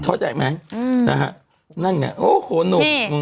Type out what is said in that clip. เข้าใจไหมนั่นไงโอ้โหนุ่ม